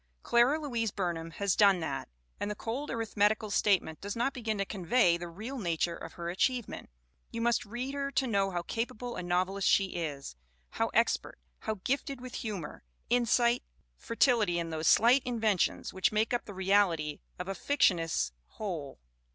Clara Louise Burnham has done that; and the cold arithmetical statement does not begin to convey the real nature of her achievement. You must read her to know how capable a novelist she is, how expert, how gifted with humor, insight, fertility in those slight inventions which make up the reality of a fictionist's whole.